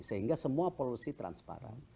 sehingga semua polusi transparan